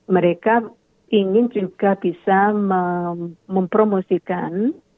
mereka ingin juga bisa mempromosikan